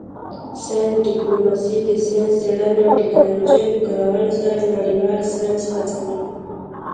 ساینس ډیپلوماسي د ساینسي څیړنې او ټیکنالوژۍ په کارولو سره نړیوال ساینس هڅوي